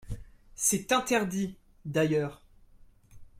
C’est interdit, d’ailleurs